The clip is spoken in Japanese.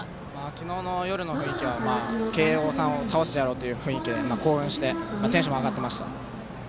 昨日の夜の雰囲気は慶応さんを倒してやろうという雰囲気で興奮して、テンションも上がっていました。